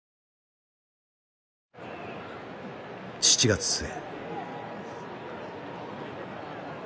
７月末。